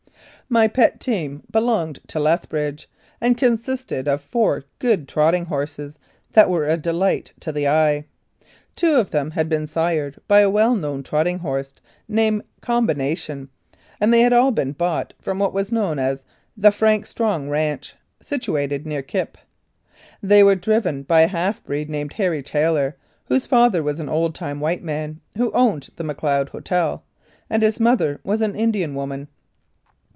My pet team belonged to Lethbridge, and consisted of four good trotting horses that were a delight to the eye. Two of them had been sired by a well known trotting horse named Combination, and they had all been bought from what was known as the " Frank Strong ranche," situated near Kipp. They were driven by a half breed named Harry Taylor, whose father was an old time white man who owned the Macleod Hotel, and his mother was an Indian woman.